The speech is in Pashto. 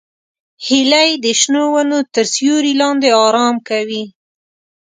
هیلۍ د شنو ونو تر سیوري لاندې آرام کوي